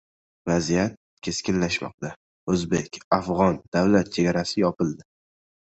Vaziyat keskinlashmoqda. O‘zbek-afg‘on davlat chegarasi yopildi